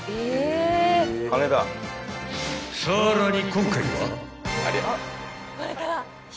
［さらに］